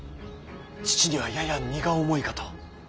父にはやや荷が重いかと。